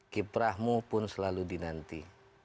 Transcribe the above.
kiprahmu pun selalu dinanti